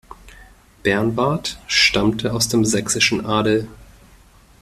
Bernward stammte aus dem sächsischen Adel.